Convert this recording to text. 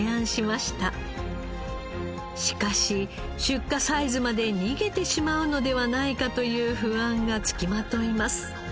しかし出荷サイズまで逃げてしまうのではないかという不安がつきまといます。